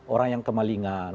orang yang kemalingan